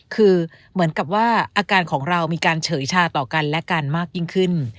คือเหมือนกับว่าอาการของเรามีการเฉยชาต่อกันและกันมากยิ่งขึ้น